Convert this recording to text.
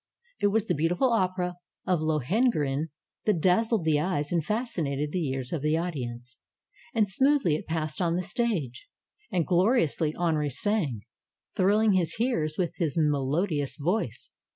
It was the beautiful opera of Lohengrin that dazzled the ej^es and fascinated the ears of the audience. And smoothly it passed on the stage. And gloriously Henri sang, thrilling his hearers with his melodious voice.